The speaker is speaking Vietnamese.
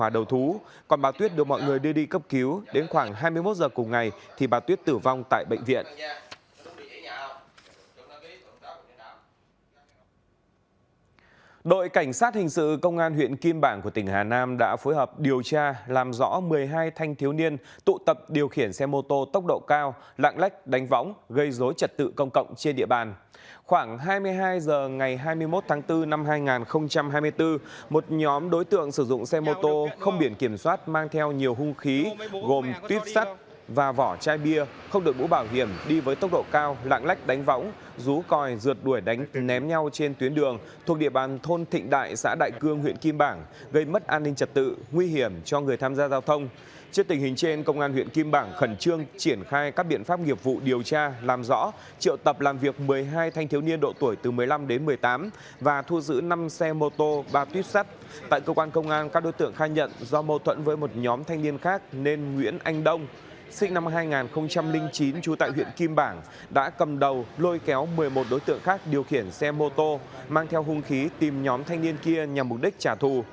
do mâu thuẫn với một nhóm thanh niên khác nên nguyễn anh đông sinh năm hai nghìn chín trú tại huyện kim bảng đã cầm đầu lôi kéo một mươi một đối tượng khác điều khiển xe mô tô mang theo hung khí tìm nhóm thanh niên kia nhằm mục đích trả thù